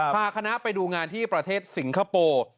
พาคณะไปดูงานที่ประเทศสิงคโปร์